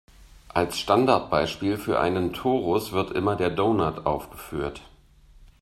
Als Standardbeispiel für einen Torus wird immer der Donut aufgeführt.